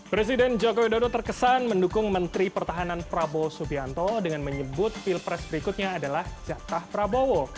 presiden jokowi dodo terkesan mendukung menteri pertahanan prabowo subianto dengan menyebut pilpres berikutnya adalah jatah prabowo